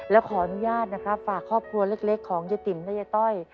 และขออนุญาตนะครับฝากครอบครัวเล็กของยายติ๋มและยายต้อย